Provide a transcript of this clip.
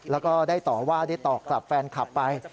แล้วก็ได้ต่อกลับแฟนคลับไป